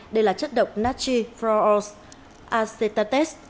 đây là chất độc natchi florosacetates